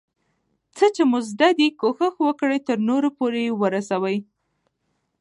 څه چي مو زده دي، کوښښ وکړه ترنور پورئې ورسوې.